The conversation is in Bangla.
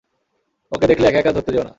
ওকে দেখলে একা একা ধরতে যেও না।